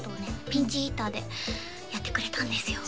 ピンチヒッターでやってくれたんですよ